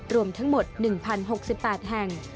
รวมทั้งหมด๑๐๖๘แห่ง